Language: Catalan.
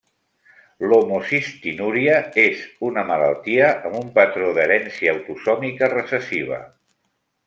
L’homocistinúria és una malaltia amb un patró d’herència autosòmica recessiva.